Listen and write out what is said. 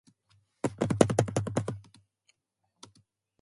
McGranahan Partnership of Tacoma designed the project.